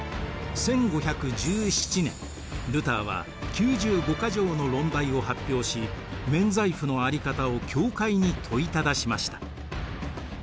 １５１７年ルターは「９５か条の論題」を発表し免罪符のあり方を教会に問いただしました。